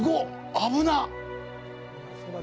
危なっ。